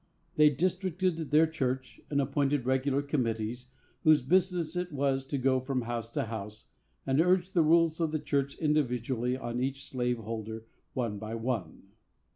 They districted their church, and appointed regular committees, whose business it was to go from house to house, and urge the rules of the church individually on each slave holder, one by one.